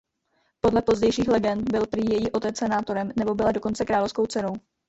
Podle pozdějších legend byl prý její otec senátorem nebo byla dokonce královskou dcerou.